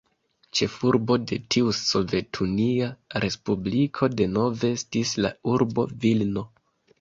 Ĉefurbo de tiu sovetunia respubliko denove estis la urbo Vilno.